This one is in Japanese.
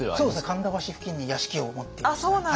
神田橋付近に屋敷を持っていましたね。